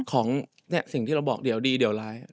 ของสิ่งที่เราบอกเดี๋ยวดีเดี๋ยวร้าย